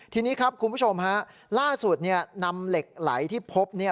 ทีนี้ครับคุณผู้ชมฮะล่าสุดนำเหล็กไหลที่พบ